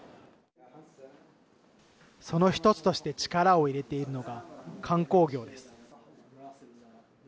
その一つとして力を入れているのが観光業です。